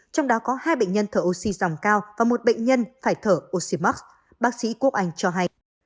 trong đó có hai bệnh nhân thở oxy dòng cao và một bệnh nhân phải thở oxymox bác bác sĩ quốc anh cho hay